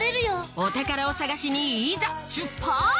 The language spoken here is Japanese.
お宝を探しにいざ出発！